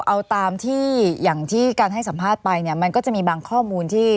เอาตามที่อย่างที่การให้สัมภาษณ์ไปเนี่ยมันก็จะมีบางข้อมูลที่